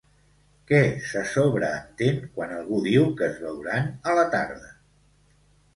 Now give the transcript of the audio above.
Què se sobreentén quan algú diu que es veuran a la tarda?